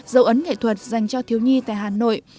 dấu ấn nghệ thuật dành cho thiếu nhi tại hà nội